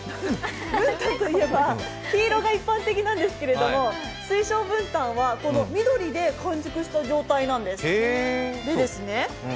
文旦といえば黄色が一般的なんですけど水晶文旦は、この緑で完熟した状態なんです。